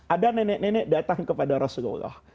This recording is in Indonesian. ada nenek nenek datang kepada rasulullah